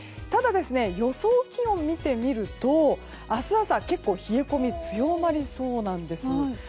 ただ、予想気温を見てみると明日朝、結構冷え込みが強まりそうなんです。